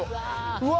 うわ。